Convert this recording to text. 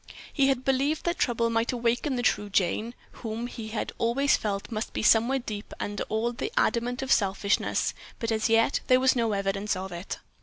He had believed that trouble might awaken the true Jane, whom he had always felt must be somewhere deep under all the adamant of selfishness, but as yet there was no evidence of it.